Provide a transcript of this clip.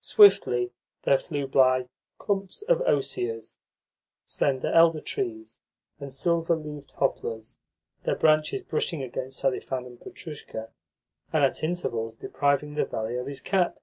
Swiftly there flew by clumps of osiers, slender elder trees, and silver leaved poplars, their branches brushing against Selifan and Petrushka, and at intervals depriving the valet of his cap.